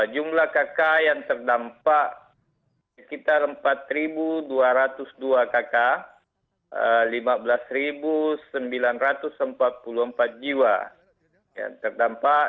jumlah kakak yang terdampak sekitar empat dua ratus dua kakak lima belas sembilan ratus empat puluh empat jiwa yang terdampak